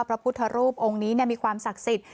พระพุทธรูปองค์นี้มีความศักดิ์สิทธิ์